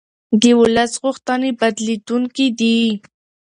د ولس غوښتنې بدلېدونکې دي